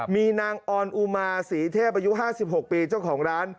มีนางออนอุมาศรีเทพอายุ๕๖ปีเจ้าของร้าน